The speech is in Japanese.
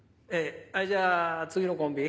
じゃあ次のコンビ。